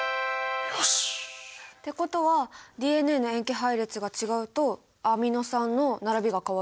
よし！ってことはＤＮＡの塩基配列が違うとアミノ酸の並びが変わる。